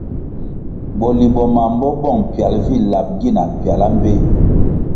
Bolimbo mam bo bong pial vi lab gina mpiala mbpéh.